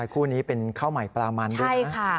คู่นี้เป็นข้าวใหม่ปลามันด้วยนะ